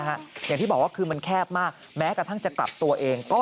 อย่างที่บอกว่าคือมันแคบมากแม้กระทั่งจะกลับตัวเอง